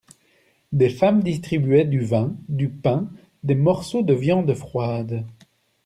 Des femmes distribuaient du vin, du pain, des morceaux de viande froide.